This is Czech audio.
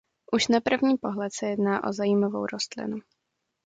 Už na první pohled se jedná o zajímavou rostlinu.